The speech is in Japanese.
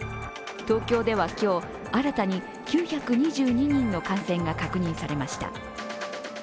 東京では今日、新たに９２２人の感染が確認されました。